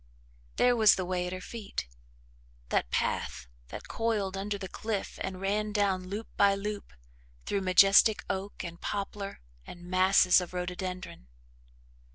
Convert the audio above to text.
There was the way at her feet that path that coiled under the cliff and ran down loop by loop through majestic oak and poplar and masses of rhododendron.